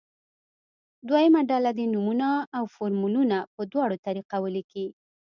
دویمه ډله دې نومونه او فورمولونه په دواړو طریقه ولیکي.